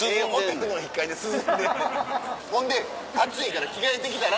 ほんで暑いから着替えてきたら？